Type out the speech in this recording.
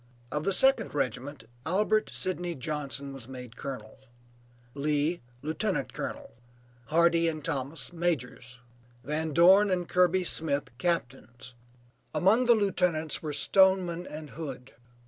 Of the second regiment Albert Sidney Johnson was made colonel; Lee, lieutenant colonel; Hardee and Thomas, majors; Van Dorn and Kirby Smith, captains; among the lieutenants were Stoneman and Hood.